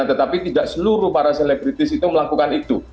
tetapi tidak seluruh para selebritis itu melakukan itu